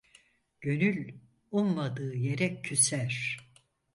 Gönül ummadığı yere küser.